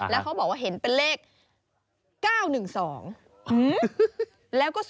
แล้วเขาบอกว่าเห็นเป็นเลข๙๑๒แล้วก็